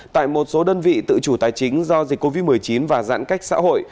tại một số đơn vị tự chủ tài chính do dịch covid một mươi chín và giãn cách xã hội